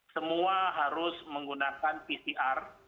semua harus menggunakan pcr